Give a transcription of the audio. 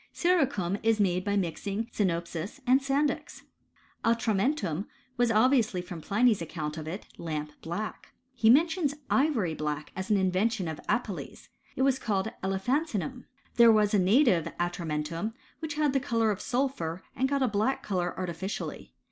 * Siricum is made by mixing sinopis and sandyx. Atramentum was obviously from Pliny's account of It lamp black. He mentions ivory black as ah in vention of Apelles : it was called elephantinum. There was a native atramentum, which had the colour of sulphur, and got a black colour artificially.